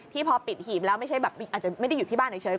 ที่พอปิดหีบแล้วอาจจะไม่ได้อยู่ที่บ้านเฉย